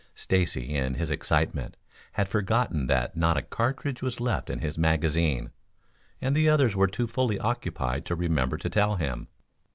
Stacy, in his excitement, had forgotten that not a cartridge was left in his magazine, and the others were too fully occupied to remember to tell him.